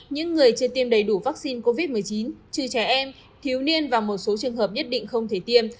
những người chưa tiêm đầy đủ vaccine covid một mươi chín trừ trẻ em thiếu niên và một số trường hợp nhất định không thể tiêm